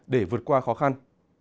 để vượt qua khó khăn